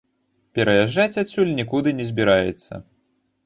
Пераязджаць адсюль нікуды не збіраецца.